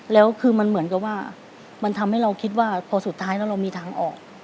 แล้วคือมันเหมือนกับว่ามันทำให้เราคิดว่าพอสุดท้ายแล้วเรามีทางออก